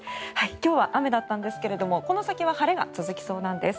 今日は雨だったんですがこの先は晴れが続きそうなんです。